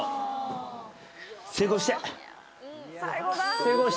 成功して。